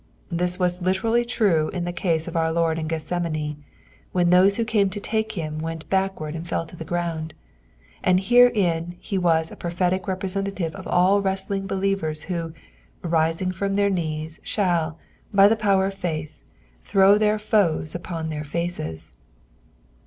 Thia was literally true in the case of our Lord in Oethsemane, wlien those who came to take him went backward and fell to the ground ; and herein he was a prophetic representative of all wrestling believers who, rising from their knees shall, by the power of faith, throw their foes upon their faces.